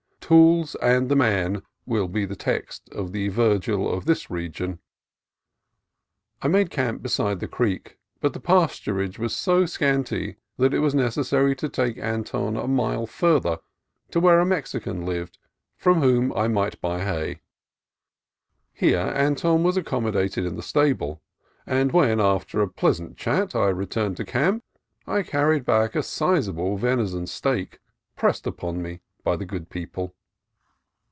"Tools and the man" will be the text of the Virgil of this region. I made camp beside the creek, but the pasturage was so scanty that it was necessary to take Anton a mile farther, to where a Mexican lived from whom I might buy hay. Here Anton was accommodated in the stable, and when, after a pleasant chat, I returned to camp, I carried back a sizable venison steak, pressed upon me by the good people.